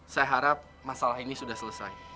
saya harap masalah ini sudah selesai